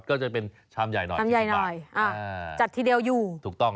ก็จะเป็นชามใหญ่หน่อยชามใหญ่หน่อยอ่าจัดทีเดียวอยู่ถูกต้อง